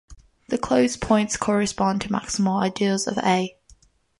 The closed points correspond to maximal ideals of "A".